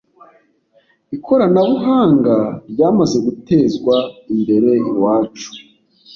ikoranabuhanga ryamaze gutezwa imbere iwacu